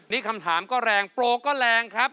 นี่คำถามก็แรงโปรก็แรงครับ